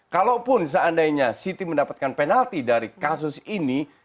kalaupun seandainya siti mendapatkan penalti dari kasus ini